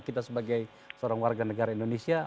kita sebagai seorang warga negara indonesia